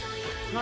何？